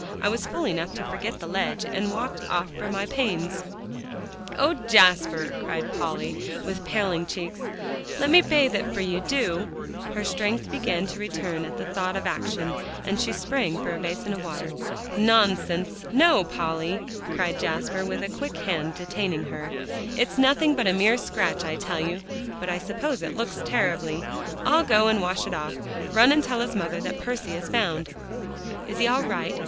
I was fool enough to forget the ledge, and walked off for my pains" "Oh, Jasper!" cried Polly, with paling cheeks, "let me bathe it for you, do;" her strength began to return at the thought of action, and she sprang for a basin of water. "Nonsense. No, Polly!" cried Jasper, with a quick hand detaining her, "it's nothing but a mere scratch, I tell you, but I suppose it looks terribly. I'll go and wash it off. Run and tell his mother that Percy is found." "Is he all right?"